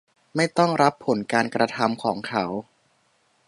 ไม่ต้องรับผลการกระทำของเขา